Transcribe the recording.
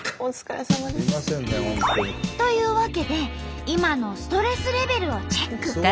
というわけで今のストレスレベルをチェック。